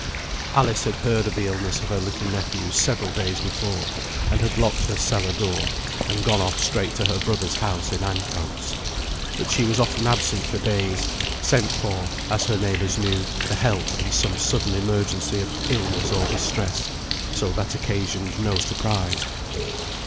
Alice had heard of the illness of her little nephews several days before, and had locked her cellar door, and gone off straight to her brother's house, in Ancoats; but she was often absent for days, sent for, as her neighbours knew, to help in some sudden emergency of illness or distress, so that occasioned no surprise.